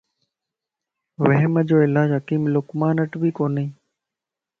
وھمَ جو علاج حڪيم لقمانَ وٽ به ڪوني.